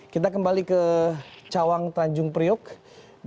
kita kembali ke cawang tanjung priok